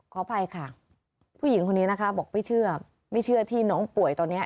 ขออภัยค่ะผู้หญิงคนนี้นะคะบอกไม่เชื่อไม่เชื่อที่น้องป่วยตอนนี้